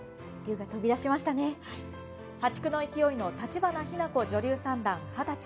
破竹の勢いの橘日名子女流三段二十歳。